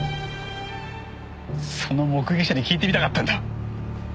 その目撃者に聞いてみたかったんだ。